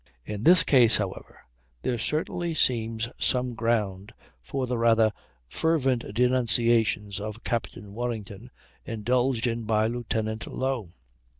In this case, however, there certainly seems some ground for the rather fervent denunciations of Captain Warrington indulged in by Lieut. Low.